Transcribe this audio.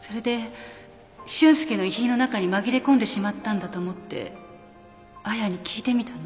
それで俊介の遺品の中に紛れ込んでしまったんだと思って亜矢に聞いてみたの。